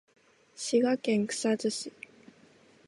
滋賀県草津市